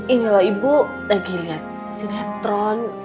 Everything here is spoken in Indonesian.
ini lah ibu lagi liat sinetron